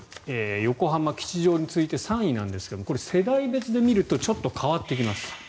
横浜、吉祥寺に次いで３位なんですがこれ、世代別で見るとちょっと変わってきます。